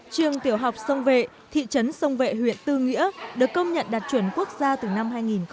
trường tiểu học sông vệ thị trấn sông vệ huyện tư nghĩa được công nhận đạt chuẩn quốc gia từ năm hai nghìn một mươi